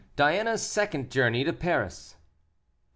DIANA'S SECOND JOURNEY TO PARIS.